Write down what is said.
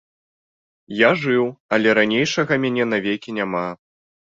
Я жыў, але ранейшага мяне навекі няма.